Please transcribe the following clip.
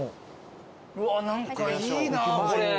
うわっ何かいいなこれ。